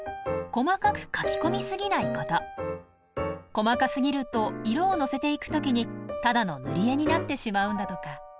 細かすぎると色をのせていく時にただの塗り絵になってしまうんだとか。